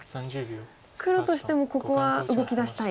黒としてもここは動きだしたい？